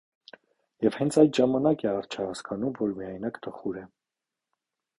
Եվ հենց այդ ժամանակ է արջը հասկանում, որ միայնակ տխուր է։